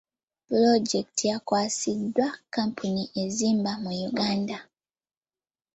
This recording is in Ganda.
Pulojekiti yakwasiddwa kkampuni ezimba mu Uganda.